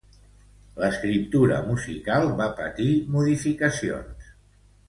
L'escriptura musical va patir modificacions.